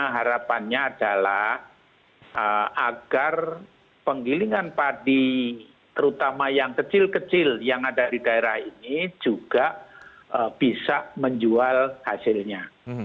harapannya adalah agar penggilingan padi terutama yang kecil kecil yang ada di daerah ini juga bisa menjual hasilnya